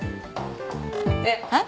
えっ？えっ？